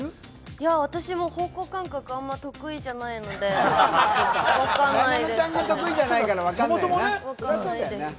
いや、私も方向感覚あまり得意じゃないので分からないです。